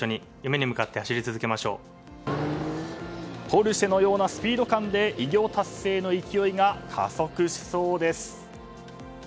ポルシェのようなスピード感で偉業達成への勢いが加速しそうです。